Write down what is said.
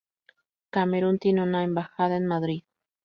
Camerún tiene una embajada en Madrid.